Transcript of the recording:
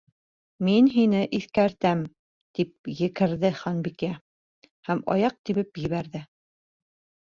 —Мин һине иҫкәртәм, —тип екерҙе Ханбикә һәм аяҡ тибеп ебәрҙе.